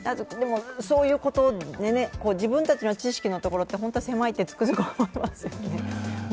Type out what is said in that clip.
でも、そういうことでね自分たちの知識のところって本当に狭いって、つくづく思いますよね。